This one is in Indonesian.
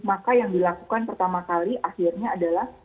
maka yang dilakukan pertama kali akhirnya adalah